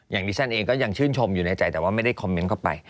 ดิฉันเองก็ยังชื่นชมอยู่ในใจแต่ว่าไม่ได้คอมเมนต์เข้าไป